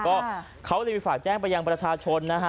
ก็เขาเลยไปฝากแจ้งไปยังประชาชนนะฮะ